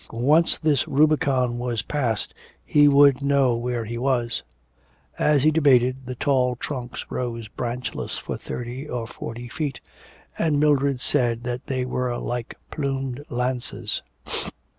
Once this Rubicon was passed he would know where he was.... As he debated, the tall trunks rose branchless for thirty or forty feet; and Mildred said that they were like plumed lances.